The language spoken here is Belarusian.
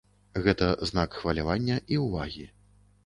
Гэта знак хвалявання і ўвагі.